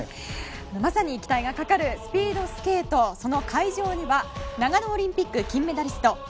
まさに期待がかかるスピードスケートその会場には長野オリンピック金メダリスト